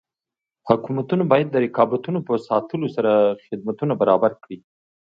حکومتونه باید د رقابتونو په ساتلو سره خدمتونه برابر کړي.